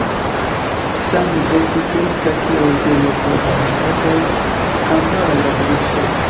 Ksamil estis kreita kiel loĝejo por la ŝtataj kamparaj laboristoj.